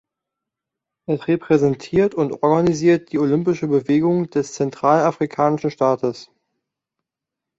Es repräsentiert und organisiert die olympische Bewegung des zentralafrikanischen Staates.